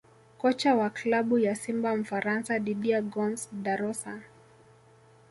Kocha wa klabu ya Simba Mfaransa Didier Gomes Da Rosa